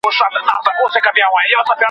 حکومت د عامه ستونزو د حل لپاره څه کوي؟